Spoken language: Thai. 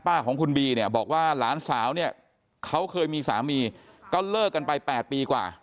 ป้าของคุณบีบอกว่าหลานสาวเขาเคยมีสามีก็เลิกกันไป๘ปีกว่า